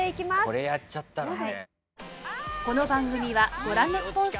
これやっちゃったらね。